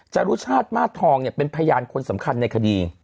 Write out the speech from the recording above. จรุชาติมาสทองเนี่ยเป็นพยานคนสำคัญในคดี